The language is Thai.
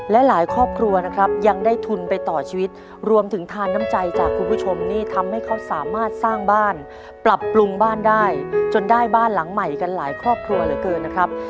และหลายครอบครัวนะครับยังได้ทุนไปต่อชีวิตรวมถึงทานน้ำใจจากคุณผู้ชมนี่ทำให้เขาสามารถสร้างบ้านปรับปรุงบ้านได้จนได้บ้านหลังใหม่กันหลายครอบครัวเหลือเกินนะครับ